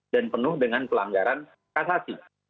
dan penuh dengan pelanggaran kasasi